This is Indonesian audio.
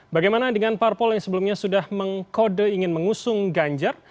bagaimana dengan parpol yang sebelumnya sudah mengkode ingin mengusung ganjar